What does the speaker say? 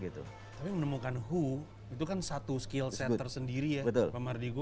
tapi menemukan who itu kan satu skill set tersendiri ya pak mardigu